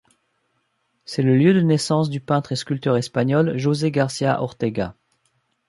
C'est le lieu de naissance du peintre et sculpteur espagnol José Garcia Ortega.